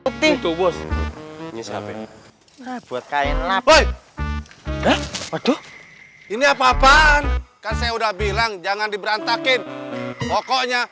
putih bos ini saya buat kain lapar ini apa apaan kan saya udah bilang jangan diberantakin pokoknya